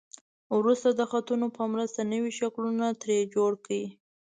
وروسته د خطو په مرسته نوي شکلونه ترې جوړ کړئ.